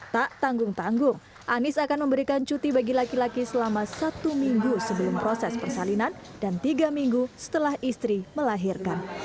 tak tanggung tanggung anis akan memberikan cuti bagi laki laki selama satu minggu sebelum proses persalinan dan tiga minggu setelah istri melahirkan